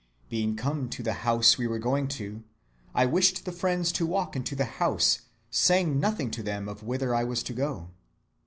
Being come to the house we were going to, I wished the friends to walk into the house, saying nothing to them of whither I was to go.